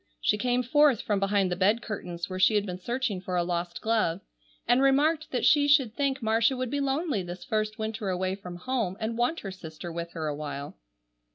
She came forth from behind the bed curtains where she had been searching for a lost glove, and remarked that she should think Marcia would be lonely this first winter away from home and want her sister with her a while.